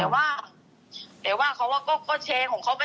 แต่ว่าเขาแชร์ของเขามา